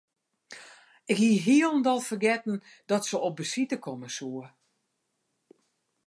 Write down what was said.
Ik hie hielendal fergetten dat se op besite komme soe.